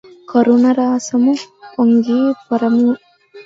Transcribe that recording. కరుణరసము పొంగి పొరలిపోయె